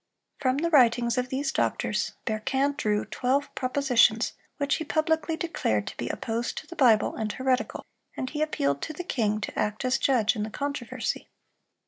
From the writings of these doctors, Berquin drew twelve propositions which he publicly declared to be "opposed to the Bible, and heretical;" and he appealed to the king to act as judge in the controversy.